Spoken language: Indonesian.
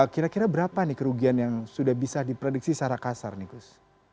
kira kira berapa nih kerugian yang sudah bisa diprediksi secara kasar nih gus